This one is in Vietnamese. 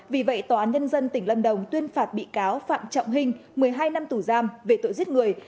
vì vậy tòa án nhân dân tỉnh lâm đồng tuyên phạt bị cáo phạm trọng hình một mươi hai năm tù giam về tội giết người